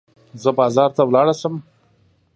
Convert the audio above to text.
زه به بازار ته ولاړه شم.